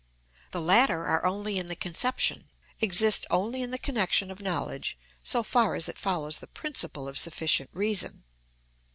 The latter are only in the conception, exist only in the connection of knowledge, so far as it follows the principle of sufficient reason.